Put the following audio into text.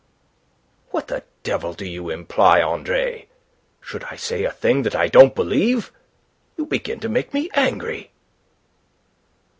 "What the devil do you imply, Andre? Should I say a thing that I don't believe? You begin to make me angry."